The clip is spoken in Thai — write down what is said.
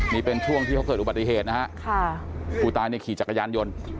นี่เป็นช่วงที่เขาเกิดอุบัติเหตุนะฮะค่ะผู้ตายเนี่ยขี่จักรยานยนต์